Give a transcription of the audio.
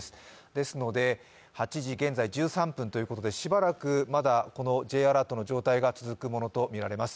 ですので、現在、８時１３分ということでしばらくまだＪアラートの状態が続くものとみられます。